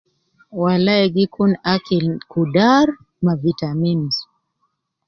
Walai gi kun akil kudar ma vitamins